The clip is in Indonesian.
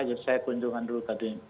jadi saya kunjungan dulu ke mereka